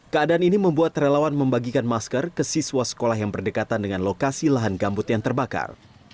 keadaan ini membuat relawan membagikan masker ke siswa sekolah yang berdekatan dengan lokasi lahan gambut yang terbakar